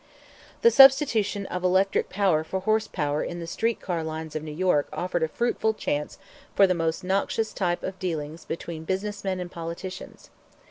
The substitution of electric power for horse power in the street car lines of New York offered a fruitful chance for the most noxious type of dealing between business men and politicians.